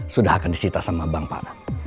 sudah akan disita sama bank pak